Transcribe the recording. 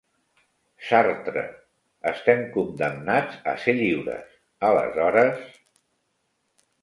Sartre: estem condemnats a ser lliures. Aleshores...